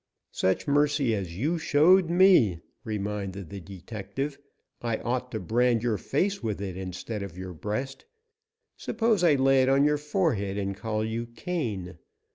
"Such mercy as you showed me!" reminded the detective. "I ought to brand your face with it instead of your breast. Suppose I lay it on your forehead and call you Cain?